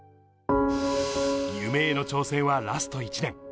夢への挑戦はラスト１年。